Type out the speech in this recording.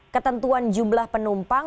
ketentuan jumlah penumpang